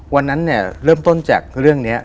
วันนั้นเนี่ยเริ่มต้นจากเรื่องนี้